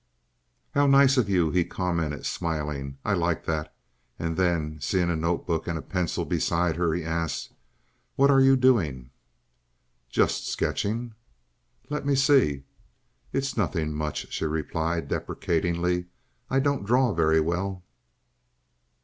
"How nice of you!" he commented, smiling. "I like that." And then, seeing a note book and pencil beside her, he asked, "What are you doing?" "Just sketching." "Let me see?" "It's nothing much," she replied, deprecatingly. "I don't draw very well."